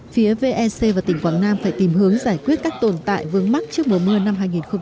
phía vec và tỉnh quảng nam phải tìm hướng giải quyết các tồn tại vương mắc trước mùa mưa năm hai nghìn một mươi chín